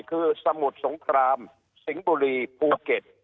คือสมุทรสงครามสิงห์บุรีภูเก็ต